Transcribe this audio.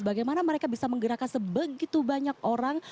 bagaimana mereka bisa menggerakkan sebegitu banyak orang